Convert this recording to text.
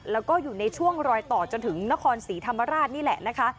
แล้วก็อยู่ในช่วงรอยต่อจนถึงนครศรีธรรมราชนี่แหละนะคะ